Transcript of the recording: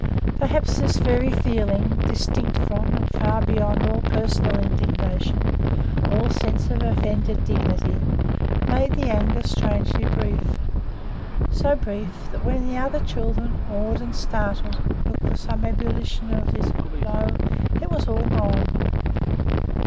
Perhaps this very feeling, distinct from, and far beyond, all personal indignation, all sense of offended dignity, made the anger strangely brief so brief, that when the other children, awed and startled, looked for some ebullition of it lo! it was all gone.